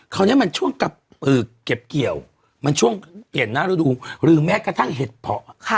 คราวนี้มันช่วงเก็บเกี่ยวมันช่วงเปลี่ยนหน้าฤดูหรือแม้กระทั่งเห็ดเพาะ